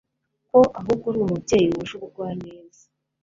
ko ahubwo ari umubyeyi wuje ubugwaneza,